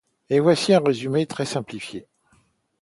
En voici un résumé très simplifié.